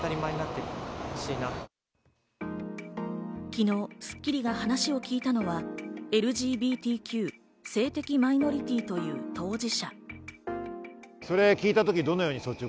昨日、『スッキリ』が話を聞いたのはＬＧＢＴＱ、性的マイノリティーという当事者。